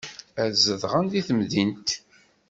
Ad zedɣen deg temdint.